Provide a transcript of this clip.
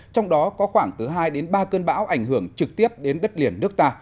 trong đó có khoảng từ hai đến ba cơn bão ảnh hưởng trực tiếp đến đất liền nước ta